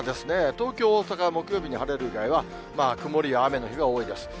東京、大阪は木曜日に晴れる以外は、曇りや雨の日が多いです。